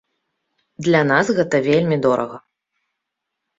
Для нас гэта вельмі дорага.